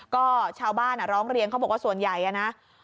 ก็ชาวบ้านร้องเรียนเขาบอกว่าส่วนใหญ่นะ